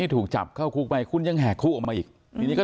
ถูกจับเข้าคู่มาคุณยังแหกคู่ออกมาอีก